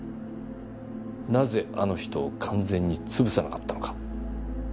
なぜあの人を完全に潰さなかったのか。